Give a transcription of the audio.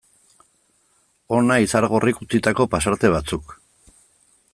Hona Izargorrik utzitako pasarte batzuk.